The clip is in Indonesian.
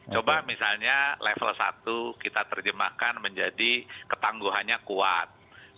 coba misalnya level satu kita terjemahkan menjadi ketangguhannya kuat